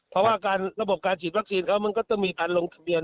เพราะว่าการระบบการฉีดวัคซีนเขามันก็ต้องมีการลงทะเบียน